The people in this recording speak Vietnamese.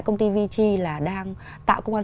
công ty vg là đang tạo công an